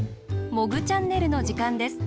「モグチャンネル」のじかんです。